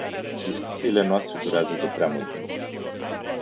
Discuțiile noastre durează de prea mult timp.